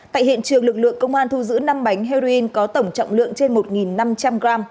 tại hiện trường lực lượng công an thu giữ năm bánh heroin có tổng trọng lượng trên một năm trăm linh g